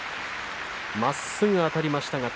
まっすぐあたりました。